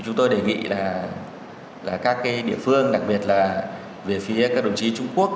chúng tôi đề nghị là các địa phương đặc biệt là về phía các đồng chí trung quốc